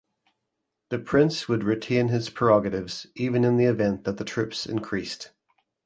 The Prince would retain his prerogatives even in the event that the troops increased.